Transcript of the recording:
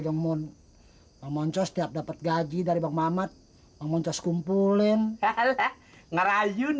dong mun moncos tiap dapet gaji dari bang mamat mohon sesumpulin hal hal ngerayu nih